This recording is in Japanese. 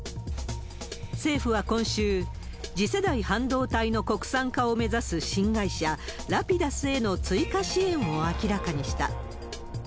政府は今週、次世代半導体の国産化を目指す新会社、ラピダスへの追加支援を明らかにした。